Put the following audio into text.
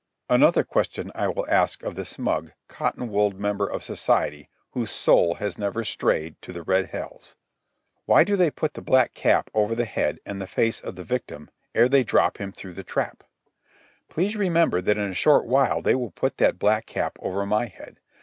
Another question I will ask of the smug, cotton wooled member of society, whose soul has never strayed to the red hells. Why do they put the black cap over the head and the face of the victim ere they drop him through the trap? Please remember that in a short while they will put that black cap over my head.